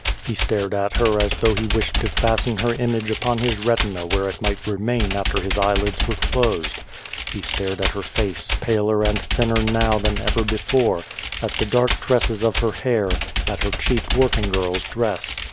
He stared at her as though lie wished to fasten her image upon his retina where it might remain after his eyelids were closed. He stared at her face, paler and thinner now than ever before, at the dark tresses of her hair, at her cheap working girl's dress.